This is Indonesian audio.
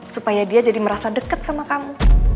supaya dia jadi merasa dekat sama kamu